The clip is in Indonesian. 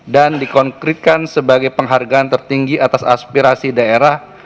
dan dikonkritkan sebagai penghargaan tertinggi atas aspirasi daerah